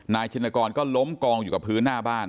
ชินกรก็ล้มกองอยู่กับพื้นหน้าบ้าน